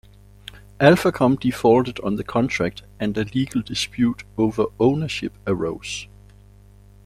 AlphaCom defaulted on the contract and a legal dispute over ownership arose.